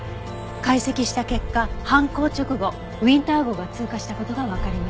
解析した結果犯行直後ウィンター号が通過した事がわかりました。